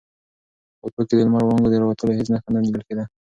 په افق کې د لمر وړانګو د راوتلو هېڅ نښه نه لیدل کېده.